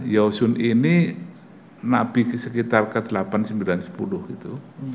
yaw sun ini nabi sekitar ke delapan sembilan sepuluh gitu